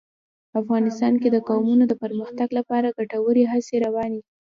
افغانستان کې د قومونه د پرمختګ لپاره ګټورې هڅې روانې دي.